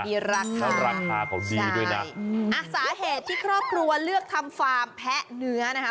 ดีนะคะดีด้วย๙๐สาเหตุที่ครอบครัวเลือกทำฟาร์มแป๊ะเนื้อนะ